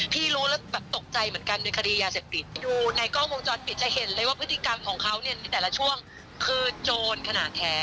รู้แล้วแบบตกใจเหมือนกันในคดียาเสพติดดูในกล้องวงจรปิดจะเห็นเลยว่าพฤติกรรมของเขาเนี่ยในแต่ละช่วงคือโจรขนาดแท้